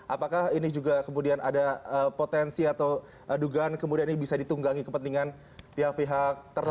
apakah ini juga kemudian ada potensi atau dugaan kemudian ini bisa ditunggangi kepentingan pihak pihak tertentu